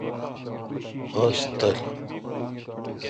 اوس تل۔